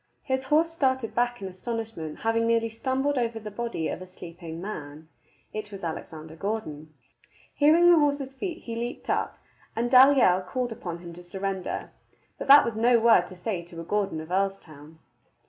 His horse started back in astonishment, having nearly stumbled over the body of a sleeping man. It was Alexander Gordon. Hearing the horse's feet, he leaped up, and Dalyell called upon him to surrender. But that was no word to say to a Gordon of Earlstoun.